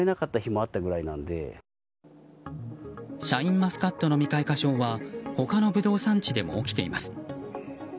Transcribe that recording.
シャインマスカットの未開花症は他のブドウ産地でも起きています。